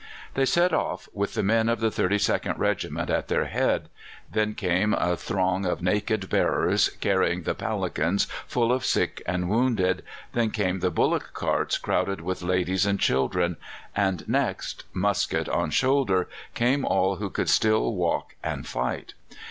"They set off, with the men of the 32nd Regiment at their head; then came a throng of naked bearers, carrying the palanquins full of sick and wounded; then came the bullock carts crowded with ladies and children; and next, musket on shoulder, came all who could still walk and fight.